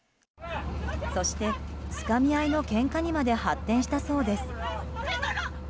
そしてつかみ合いのけんかにまで発展したそうです。